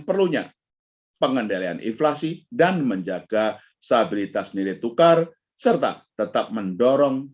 perlunya pengendalian inflasi dan menjaga stabilitas nilai tukar serta tetap mendorong